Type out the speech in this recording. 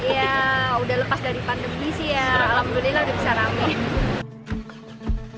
ya sudah lepas dari pandemi sih ya alhamdulillah sudah bisa ramai